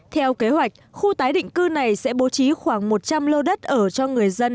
theo kế hoạch khu tái định cư này sẽ bố trí khoảng một trăm linh lô đất ở cho người dân